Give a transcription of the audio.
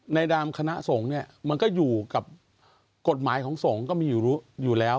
นามคณะสงฆ์เนี่ยมันก็อยู่กับกฎหมายของสงฆ์ก็มีอยู่แล้ว